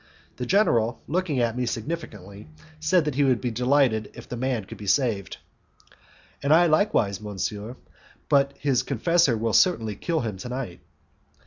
The general, looking at me significantly, said that he would be delighted if the man could be saved. "And I likewise, monsignor, but his confessor will certainly kill him to night."